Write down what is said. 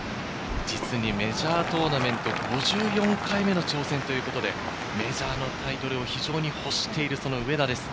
実にメジャートーナメント、５４回目の挑戦ということで、メジャーのタイトルを非常に欲している上田です。